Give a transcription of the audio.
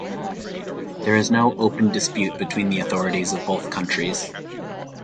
There is no open dispute between the authorities of both countries.